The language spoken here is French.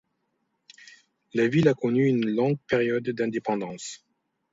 La ville a connu une longue période d'indépendance.